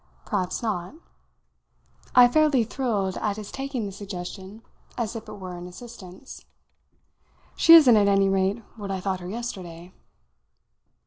"Perhaps not." I fairly thrilled at his taking the suggestion as if it were an assistance. "She isn't at any rate what I thought her yesterday."